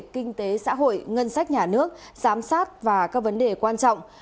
kinh tế xã hội ngân sách nhà nước giám sát và các vấn đề quan trọng